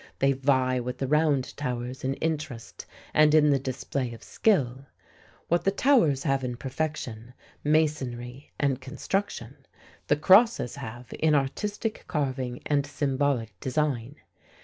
They vie with the Round Towers in interest and in the display of skill. What the towers have in perfection, masonry and construction, the crosses have in artistic carving and symbolic design.